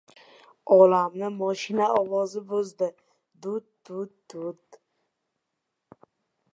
Olamni mashina ovozi buzdi: dut-dut-dut...